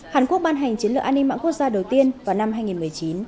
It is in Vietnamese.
hàn quốc ban hành chiến lược an ninh mạng quốc gia đầu tiên vào năm hai nghìn một mươi chín